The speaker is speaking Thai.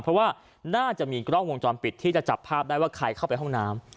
เพราะว่าน่าจะมีกล้องวงจรปิดที่จะจับภาพได้ว่าใครเข้าไปห้องน้ำ